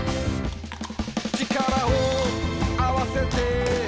「力をあわせて」